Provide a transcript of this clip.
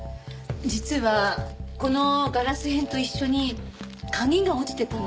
実はこのガラス片と一緒に鍵が落ちてたの。